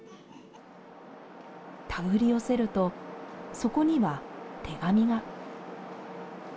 手繰り寄せると、そこには手紙が。